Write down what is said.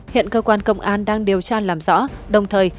hiện cơ quan công an đang điều tra làm rõ đồng thời